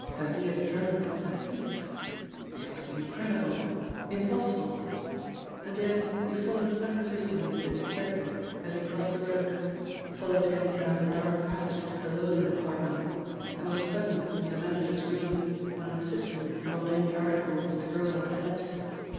Thalia Drummond a thief! It was incredible, impossible! And yet he followed unresistingly the detective as he crossed the road; followed him down the dark passage to the loaning department, and was present in the manager's room when an assistant brought in the article which the girl had pledged.